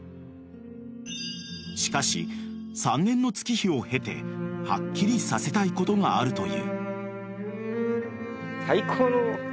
［しかし３年の月日を経てはっきりさせたいことがあるという］